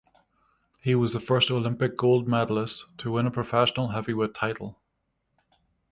He was the first Olympic gold medalist to win a professional Heavyweight title.